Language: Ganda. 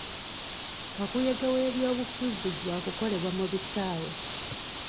Kakuyege w'ebyobufuzi wa kukolebwa mu bisaawe.